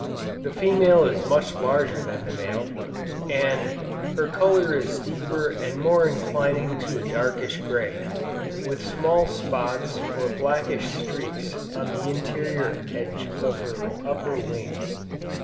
The female is much larger than the male, and "her color is deeper and more inclining to a darkish gray, with small spots or blackish streaks on the interior edge of her upper wings."